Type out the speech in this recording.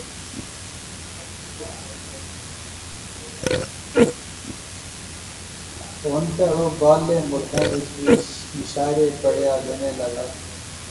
ہن تہ او باہرلے ملخیں وچ وی مشاعرے پڑھیا گینے لاغا